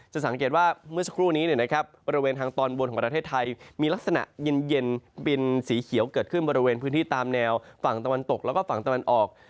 สังเกตว่าเมื่อสักครู่นี้บริเวณทางตอนบนของประเทศไทยมีลักษณะเย็นบินสีเขียวเกิดขึ้นบริเวณพื้นที่ตามแนวฝั่งตะวันตกแล้วก็ฝั่งตะวันออก